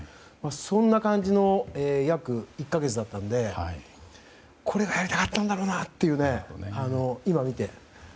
そんな感じの約１か月だったのでこれがやりたかったんだろうなと今、見て。